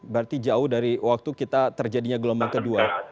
berarti jauh dari waktu kita terjadinya gelombang kedua